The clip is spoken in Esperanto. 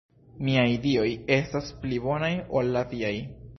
Miaj Dioj estas pli bonaj ol la viaj.